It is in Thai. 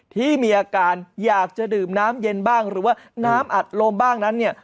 ที่มีอาการอยากจะดื่มน้ำเย็นบ้างหรือว่าน้ำอัดลมบ้างนั้นเนี่ย